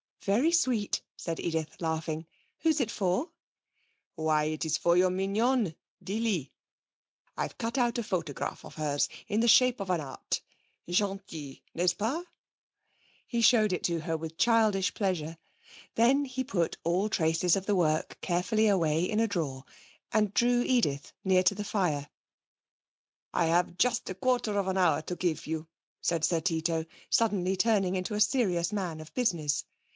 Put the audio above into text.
'Very sweet,' said Edith, laughing. 'Who is it for?' 'Why, it's for your mignonne, Dilly. I've cut out a photograph of hers in the shape of a heart. Gentil, n'est ce pas?' He showed it to her with childish pleasure. Then he put all traces of the work carefully away in a drawer and drew Edith near to the fire. 'I've just a quarter of an hour to give you,' said Sir Tito, suddenly turning into a serious man of business.